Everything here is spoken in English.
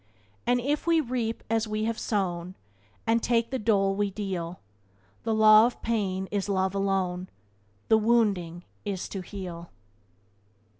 And if we reap as we have sown, And take the dole we deal, The law of pain is love alone, The wounding is to heal."